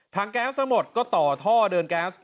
แก๊สทั้งหมดก็ต่อท่อเดินแก๊ส